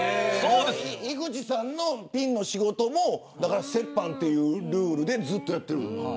井口さんのピンの仕事も折半というルールでずっとやってる。